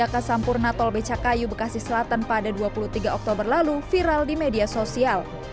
kesampurna tol becak kayu bekasi selatan pada dua puluh tiga oktober lalu viral di media sosial